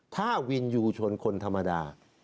ถ้าวินยูชนคนธรรมดา